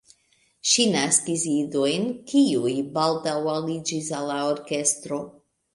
Ŝi naskis idojn, kiuj baldaŭ aliĝis al la orkestro.